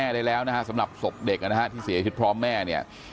ได้แล้วนะฮะสำหรับศพเด็กนะฮะที่เสียชีวิตพร้อมแม่เนี่ย